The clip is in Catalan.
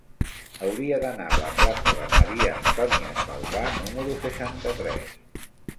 Hauria d'anar a la plaça de Maria-Antònia Salvà número seixanta-tres.